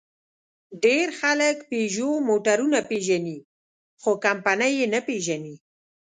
ډېر خلک پيژو موټرونه پېژني؛ خو کمپنۍ یې نه پېژني.